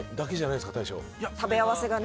食べ合わせがね。